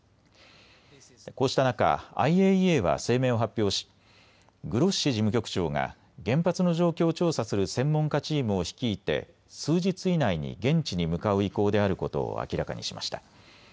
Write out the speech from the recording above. こうした中、ＩＡＥＡは声明を発表し、グロッシ事務局長が原発の状況を調査する専門家チームを率いて数日以内に現地に向かう意向であることを明らかにしました。